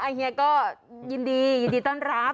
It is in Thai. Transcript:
อ้าวโอ้ค่ะก็ยินดีท่อนรับ